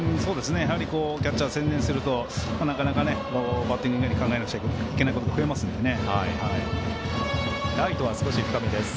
やはり、キャッチャーに専念すると、なかなかバッティング考えなきゃいけないこと増えますのでね。